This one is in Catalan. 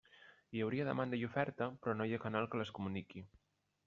Hi hauria demanda i oferta, però no hi ha canal que les comuniqui.